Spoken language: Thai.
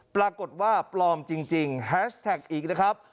ปรากฏว่าปลอมจริงแฮชแท็กอีกนะครับ